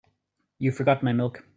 You've forgotten my milk.